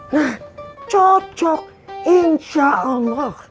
nah cocok insya allah